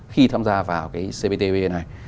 khi tham gia vào cptpp này